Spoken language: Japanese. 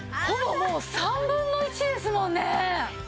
ほぼもう３分の１ですもんね。